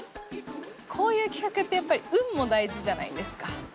こういう企画ってやっぱり運も大事じゃないですか。